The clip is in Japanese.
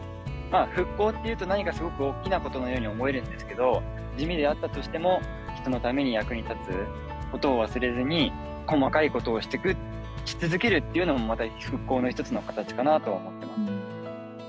まあ「復興」って言うと何かすごくおっきなことのように思えるんですけど地味であったとしても人のために役に立つことを忘れずに細かいことをしてくし続けるっていうのもまた復興の一つの形かなとは思ってます。